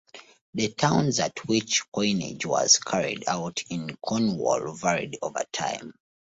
The towns at which coinage was carried out in Cornwall varied over time.